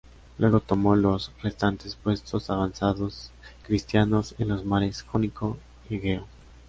Luego tomó los restantes puestos avanzados cristianos en los mares Jónico y Egeo.